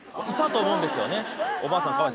いたと思うんですよねおばあさん